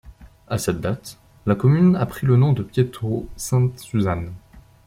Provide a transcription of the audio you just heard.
À cette date, la commune a pris le nom de Prétot-Sainte-Suzanne.